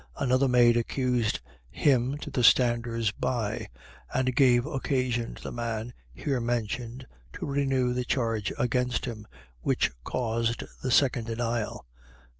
Another maid accused him to the standers by; and gave occasion to the man here mentioned to renew the charge against him, which caused the second denial.